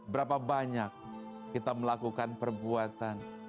berapa banyak kita melakukan perbuatan